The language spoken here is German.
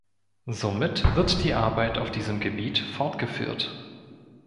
Somit wird die Arbeit auf diesem Gebiet fortgeführt.